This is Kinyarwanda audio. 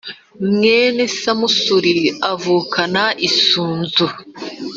mwene samusure avukana isunzu